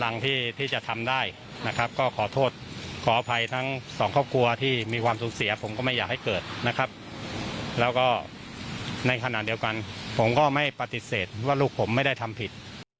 ในความสูงเสียผมก็ไม่อยากให้เกิดนะครับแล้วก็ในขณะเดียวกันผมก็ไม่ปฏิเสธว่าลูกผมไม่ได้ทำผิด